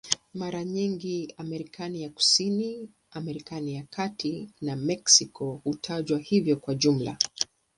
Mara nyingi Amerika ya Kusini, Amerika ya Kati na Meksiko hutajwa hivyo kwa jumla.